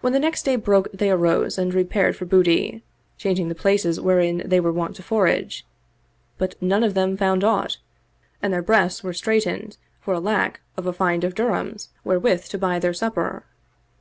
When the next day broke they arose and repaired for booty, changing the places wherein they were wont to forage; but none of them found aught ; and their breasts were straitened for lack of a find of dirhams wherewith to buy them supper.